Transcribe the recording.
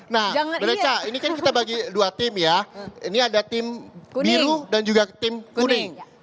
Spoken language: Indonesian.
nah bu reca ini kan kita bagi dua tim ya ini ada tim biru dan juga tim kuning